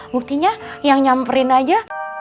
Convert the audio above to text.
buktinya yang nyamperin aja